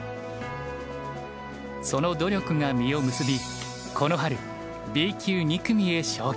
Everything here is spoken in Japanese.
その努力が実を結びこの春Ｂ級２組へ昇級を決めたのです。